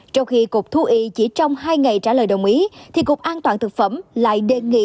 trong khi cục thú y chỉ trong hai ngày trả lời đồng ý thì cục an toàn thực phẩm lại đề nghị